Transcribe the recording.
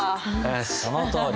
そのとおり。